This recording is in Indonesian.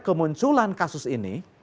kemunculan kasus ini